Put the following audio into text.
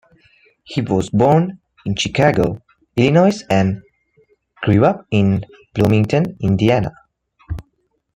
He was born in Chicago, Illinois and grew up in Bloomington, Indiana.